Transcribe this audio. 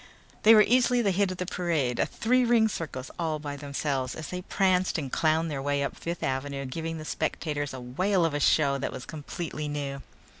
They were easily the hit of the parade, a three ring circus all by themselves, as they pranced and clowned their way up Fifth Avenue giving the spectators a whale of a show that was completely new.